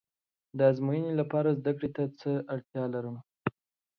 زه د ازموینې لپاره زده کړې ته څه اړتیا لرم؟